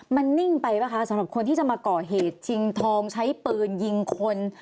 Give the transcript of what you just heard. มันนิ่งไปป่ะคะสำหรับคนที่จะมาก่อเหตุชิงทองใช้ปืนยิงคน